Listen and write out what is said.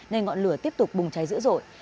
nên ngọn lửa tiếp tục bùng cháy dữ dội